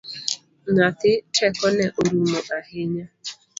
Nyathi tekone orumo ahinya